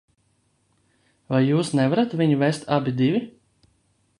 Vai jūs nevarat viņu vest abi divi?